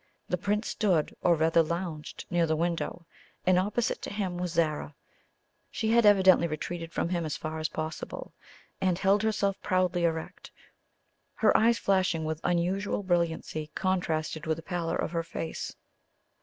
The Prince stood, or rather lounged, near the window, and opposite to him was Zara; she had evidently retreated from him as far as possible, and held herself proudly erect, her eyes flashing with unusual brilliancy contrasted with the pallor of her face.